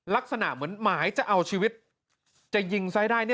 ลักษณะเหมือนหมายจะเอาชีวิตจะยิงซ้ายได้